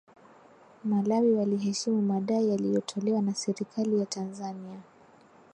malawi waliheshimu madai yaliyotolewa na serikali ya tanzania